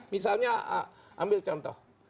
misalnya ambil contoh